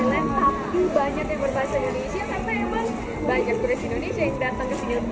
ini awal rp tiga ratus sembilan puluh tapi jadi rp tiga ratus